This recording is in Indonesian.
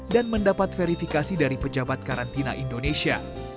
dan mendapat verifikasi dari pejabat karantina indonesia